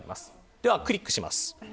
では、クリックします。